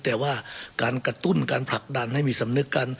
แต่ว่าการกระตุ้นการผลักดันให้มีสำนึกกัน